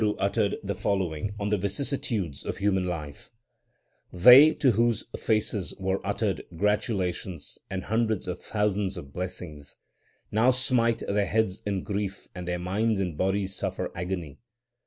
Then the Guru uttered the following on the vicissitudes of human life : They to whose faces were uttered gratulations and hundreds of thousands of blessings, Now smite their heads in grief; and their minds and bodies suffer agony.